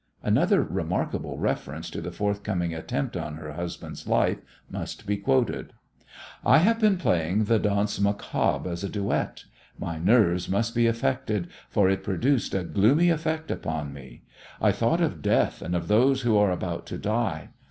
Another remarkable reference to the forthcoming attempt on her husband's life must be quoted, "I have been playing the Danse Macabre as a duet. My nerves must be affected, for it produced a gloomy effect upon me. I thought of death and of those who are about to die.